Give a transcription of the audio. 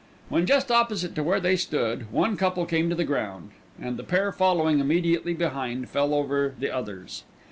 When just opposite to where they stood, one couple came to the ground and the pair following immediately behind fell over the others.